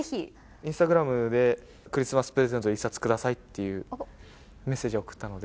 インスタグラムで、クリスマスプレゼントで１冊下さいっていうメッセージを送ったので。